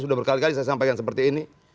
sudah berkali kali saya sampaikan seperti ini